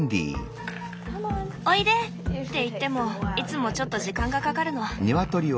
おいで！って言ってもいつもちょっと時間がかかるの。